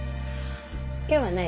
今日は何？